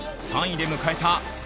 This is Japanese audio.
３位で迎えた